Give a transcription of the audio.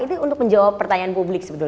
itu untuk menjawab pertanyaan publik sebetulnya